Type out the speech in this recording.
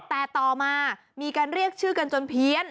แต่ต่อมามีการเรียกชื่อกันจนเพี้ยน